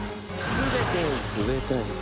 全てを統べたい。